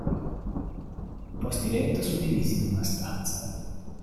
Posti letto suddivisi in una stanza.